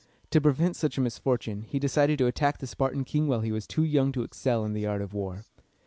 To prevent such a misfortune, he decided to attack the Spartan king while he was too young to excel in the art of war.